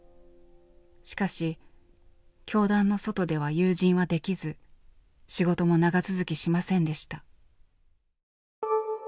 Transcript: しかし教団の外では友人はできず仕事も長続きしませんでした。